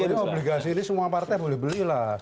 kalau ini obligasi ini semua partai boleh beli lah